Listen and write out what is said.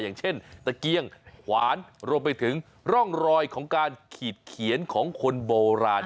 อย่างเช่นตะเกียงหวานรวมไปถึงร่องรอยของการขีดเขียนของคนโบราณ